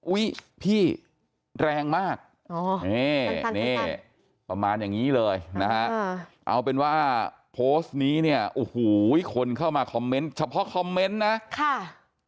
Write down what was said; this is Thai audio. อุ้ยพี่แรงมากประมาณอย่างนี้เลยนะเอาเป็นว่าโพสต์นี้เนี่ยคนเข้ามาคอมเม้นต์เฉพาะคอมเม้นต์นะ